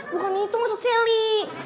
bukan itu maksud sally